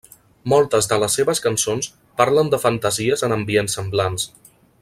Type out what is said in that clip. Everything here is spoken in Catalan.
Moltes de les seves cançons parlen de fantasies en ambients semblants.